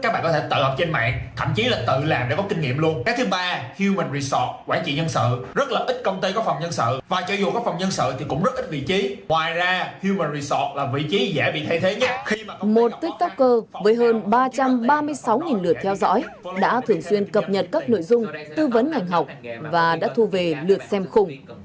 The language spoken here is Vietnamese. một tiktoker với hơn ba trăm ba mươi sáu lượt theo dõi đã thường xuyên cập nhật các nội dung tư vấn ngành học và đã thu về lượt xem khùng